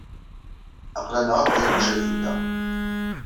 Aql-aneɣ akk d ibujaden da.